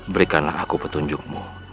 berikanlah aku petunjukmu